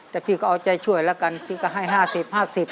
แต่พี่ก็เอาใจช่วยแล้วกันพี่ก็ให้๕๐๕๐บาท